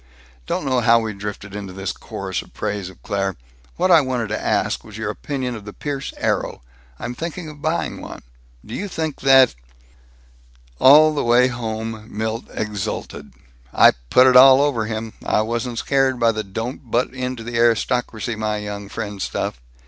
Don't know how we drifted into this chorus of praise of Claire! What I wanted to ask was your opinion of the Pierce Arrow. I'm thinking of buying one. Do you think that " All the way home Milt exulted, "I put it all over him. I wasn't scared by the 'Don't butt into the aristocracy, my young friend' stuff.